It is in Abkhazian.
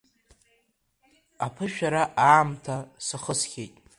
Аԥышәара аамҭа сахысхьеит.